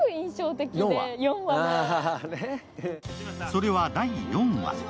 それは第４話。